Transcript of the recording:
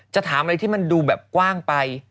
จะถามอะไรที่มันดูแบบกว้างไป